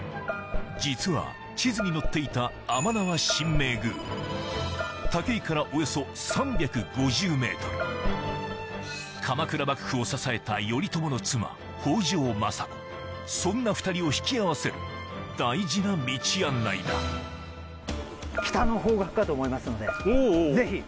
実は地図に載っていた甘縄神明宮武井からおよそ３５０ｍ鎌倉幕府を支えた頼朝の妻そんな２人を引き合わせる大事な道案内だ北の方角かと思いますのでぜひこちらへ。